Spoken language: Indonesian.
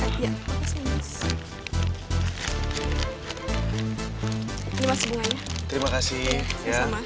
kok sepi banget ya